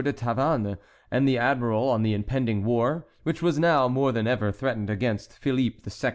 de Tavannes and the admiral on the impending war, which was now more than ever threatened against Philippe II.